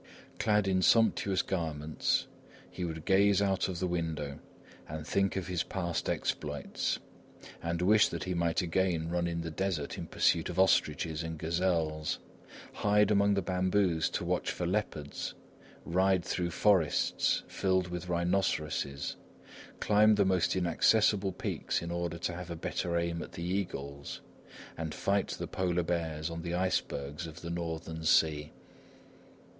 Clad in sumptuous garments, he would gaze out of the window and think of his past exploits; and wish that he might again run in the desert in pursuit of ostriches and gazelles, hide among the bamboos to watch for leopards, ride through forests filled with rhinoceroses, climb the most inaccessible peaks in order to have a better aim at the eagles, and fight the polar bears on the icebergs of the northern sea.